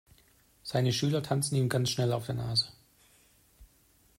Seine Schüler tanzen ihm ganz schnell auf der Nase.